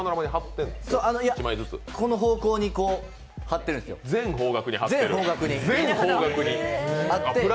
いや、この方向に貼ってるんですよ、全方角に。